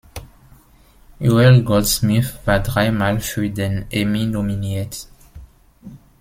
Joel Goldsmith war drei Mal für den Emmy nominiert.